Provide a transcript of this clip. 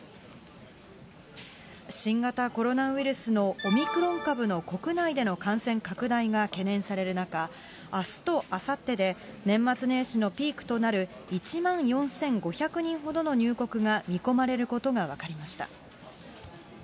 新型コロナウイルスのオミクロン株の国内での感染拡大が懸念される中、あすとあさってで、年末年始のピークとなる１万４５００人ほどの入国が見込まれることが分かりました。